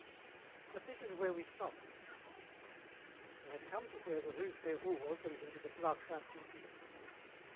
"But this is where we stop." They had come to where the rue Férou opens into the place Saint Sulpice.